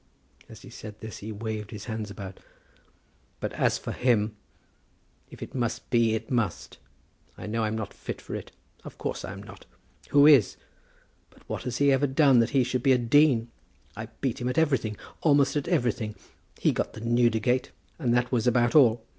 As he said this he waved his hands about. "But as for him, if it must be, it must. I know I'm not fit for it. Of course I am not. Who is? But what has he ever done that he should be a dean? I beat him at everything; almost at everything. He got the Newdegate, and that was about all.